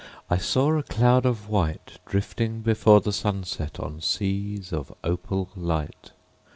. I saw a cloud of white Drifting before the sunset On seas of opal light.